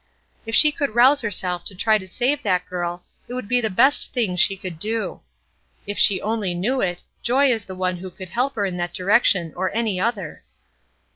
If she could rouse herself to try to save that girl it would be the best thing she could do. If she only knew it, Joy is the one who could help her in that direction or any other."